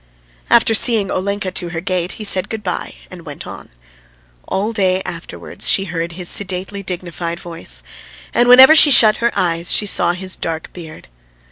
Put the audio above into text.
After seeing Olenka to her gate, he said good bye and went on. All day afterwards she heard his sedately dignified voice, and whenever she shut her eyes she saw his dark beard.